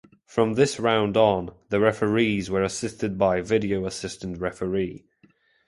From this round on the referees were assisted by video assistant referee.